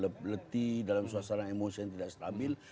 ketika kita letih dalam suasana emosi yang tidak stabil